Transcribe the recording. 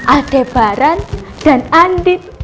aldebaran dan andin